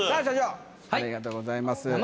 社長ありがとうございます。